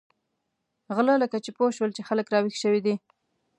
غله لکه چې پوه شول چې خلک را وېښ شوي دي.